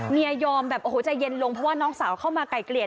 ยอมแบบโอ้โหใจเย็นลงเพราะว่าน้องสาวเข้ามาไก่เกลี่ย